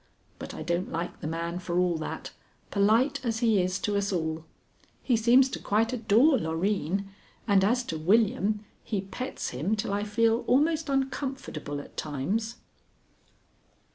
But I don't like the man for all that, polite as he is to us all. He seems to quite adore Loreen, and as to William, he pets him till I feel almost uncomfortable at times.